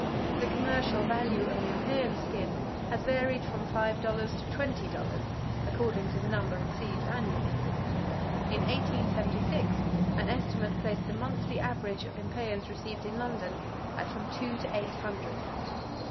The commercial value of an impeyan skin has varied from five dollars to twenty dollars, according to the number received annually. In 1876 an estimate placed the monthly average of impeyans received in London at from two to eight hundred.